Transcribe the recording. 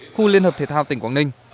khu liên hợp thể thao tỉnh quảng ninh